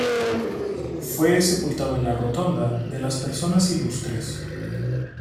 Fue sepultado en la Rotonda de las Personas Ilustres.